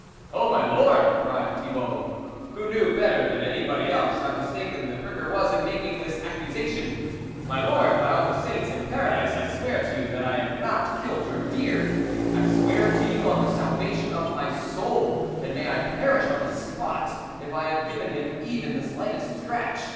"Oh, my Lord," cried Thibault, who knew better than anybody else how mis taken the pricker was in making this ac cusation, " My Lord, by all the saints in paradise, I swear to you that I have not killed your deer ; I swear it to you on the salvation of my soul, and, may I perish on the spot if I have given him even the slightest scratch.